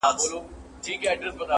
پرېږده چي موږ په دې تیارو کي رڼا ولټوو،